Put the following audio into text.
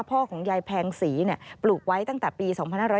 ของยายแพงศรีปลูกไว้ตั้งแต่ปี๒๕๕๙